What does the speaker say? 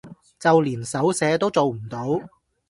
就連手寫都做唔到